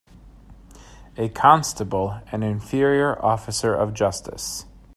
A constable an inferior officer of justice.